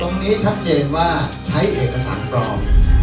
ตรงนี้ชัดเจนว่าไทยเอกสังพร้อม